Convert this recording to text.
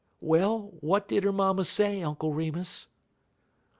"Well, what did her mamma say, Uncle Remus?"